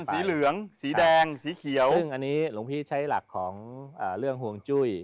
สีเหลืองสีแดงสีเขียวซึ่งอันนี้หลวงพี่ใช้หลักของเรื่องห่วงจุ้ย